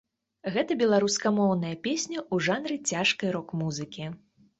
Гэта беларускамоўная песня ў жанры цяжкай рок-музыкі.